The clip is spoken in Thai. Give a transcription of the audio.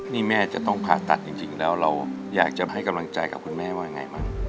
นี่แม่จะต้องผ่าตัดจริงแล้วเราอยากจะให้กำลังใจกับคุณแม่ว่ายังไงบ้าง